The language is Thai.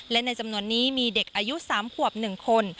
และในจำนวนนี้มีเด็กอายุ๓ขวบ๑คน